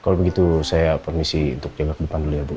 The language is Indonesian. kalau begitu saya permisi untuk jebak depan dulu ya bu